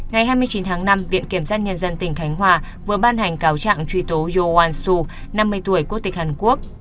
ngày hai mươi chín tháng năm viện kiểm sát nhân dân tỉnh khánh hòa vừa ban hành cáo trạng truy tố yowan su năm mươi tuổi quốc tịch hàn quốc